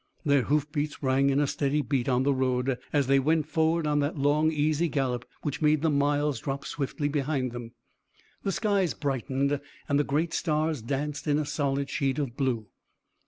Their hoofbeats rang in a steady beat on the road, as they went forward on that long easy gallop which made the miles drop swiftly behind them. The skies brightened, and the great stars danced in a solid sheet of blue.